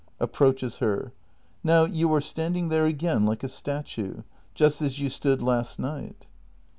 [Ap proaches her.] Now you are standing there again like a statue; just as you stood last night.